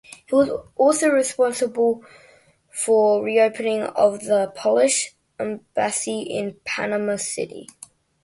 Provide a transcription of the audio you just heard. He was also responsible for reopening of the Polish embassy in Panama City.